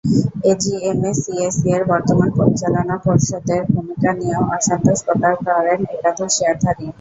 এজিএমে সিএসইর বর্তমান পরিচালনা পর্ষদের ভূমিকা নিয়েও অসন্তোষ প্রকাশ করেন একাধিক শেয়ারধারী।